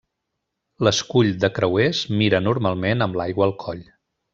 L'escull de creuers mira normalment amb l'aigua al coll.